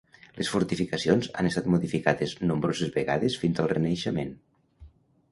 Les fortificacions han estat modificades nombroses vegades fins al Renaixement.